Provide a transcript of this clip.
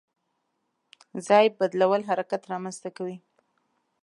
ځای بدلول حرکت رامنځته کوي.